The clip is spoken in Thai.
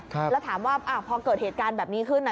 แล้วถามว่าพอเกิดเหตุการณ์แบบนี้ขึ้นนะ